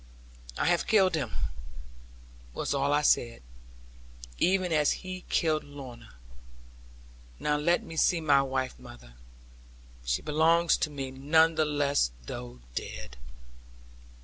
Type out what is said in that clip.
'I have killed him,' was all I said; 'even as he killed Lorna. Now let me see my wife, mother. She belongs to me none the less, though dead.'